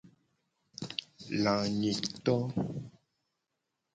Lanyito.